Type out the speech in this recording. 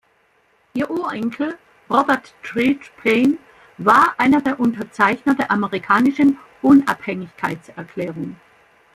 Ihr Urenkel, Robert Treat Paine, war einer der Unterzeichner der Amerikanischen Unabhängigkeitserklärung.